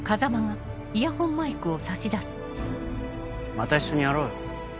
また一緒にやろうよ。